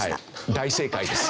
大正解です。